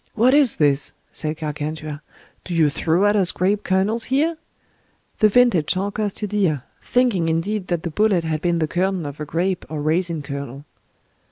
What is this? said Gargantua; do you throw at us grape kernels here? The vintage shall cost you dear; thinking indeed that the bullet had been the kernel of a grape, or raisin kernel.